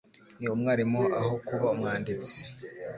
Ni umwarimu aho kuba umwanditsi.